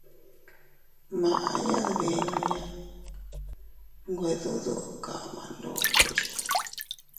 Maʼya dbenoya, nwe dudu kama ndokoya.